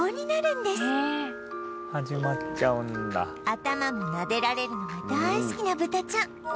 頭もなでられるのが大好きなブタちゃん